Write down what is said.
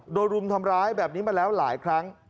รุมทำร้ายแบบนี้มาแล้วหลายครั้ง